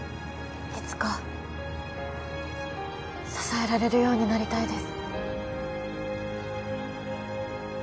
いつか支えられるようになりたいです